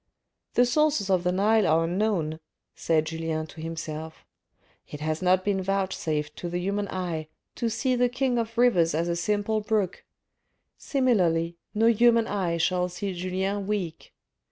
"The sources of the Nile are unknown," said Julien to himself :" it has not been vouchsafed to the human eye to see the king of rivers as a simple brook : similarly, no human eye shall see Julien weak.